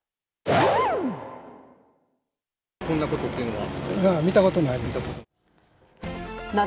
こんなことというのは？